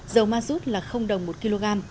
dầu ma rút là đồng một kg